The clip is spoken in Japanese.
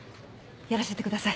やらせてください。